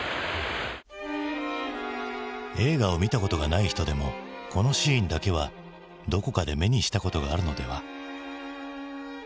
映画を見たことがない人でもこのシーンだけはどこかで目にしたことがあるのでは？